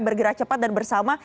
bergerak cepat dan bersama